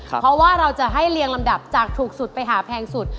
เพราะว่าเราจะให้เรียงลำดับจากถูกสุดไปหาแพงสุด